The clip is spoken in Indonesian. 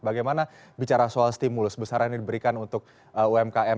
bagaimana bicara soal stimulus besar yang diberikan untuk umkm